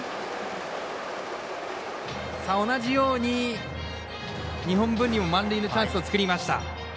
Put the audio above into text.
同じように日本文理も満塁のチャンスを作りました。